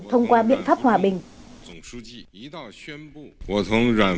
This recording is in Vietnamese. thông qua biện pháp hòa bình